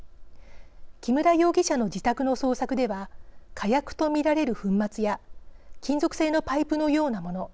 木村容疑者の自宅の捜索では火薬と見られる粉末や金属製のパイプのようなもの